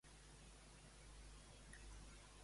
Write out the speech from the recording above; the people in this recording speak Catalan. Junqeras ha sol·licitat que en Sabrià voti en nom seu.